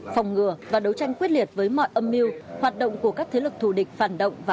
phòng ngừa và đấu tranh quyết liệt với mọi âm mưu hoạt động của các thế lực thù địch phản động và